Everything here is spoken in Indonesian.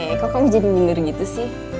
eh kok kamu jadi bener gitu sih